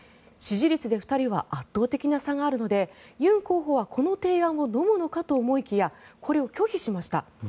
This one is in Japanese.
支持率で２人は圧倒的な差があるのでユン候補はこの提案をのむのかと思いきやこれを拒否しました。